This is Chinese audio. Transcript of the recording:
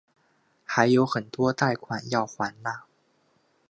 还有很多贷款要还哪